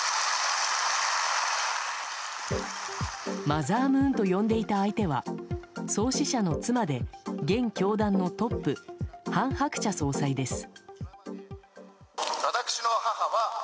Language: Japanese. マザームーンと呼んでいた相手は創始者の妻で現教団のトップ韓鶴子総裁です。